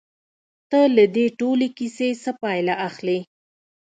ته له دې ټولې کيسې څه پايله اخلې؟